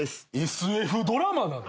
ＳＦドラマなの？